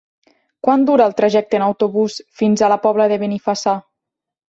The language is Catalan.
Quant dura el trajecte en autobús fins a la Pobla de Benifassà?